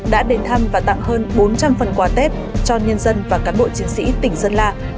đã đến thăm và tặng hơn bốn trăm linh phần quà tết cho nhân dân và cán bộ chiến sĩ tỉnh sơn la